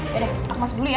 ya udah aku masuk dulu ya